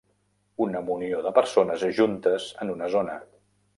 Una munió de persones juntes en una zona.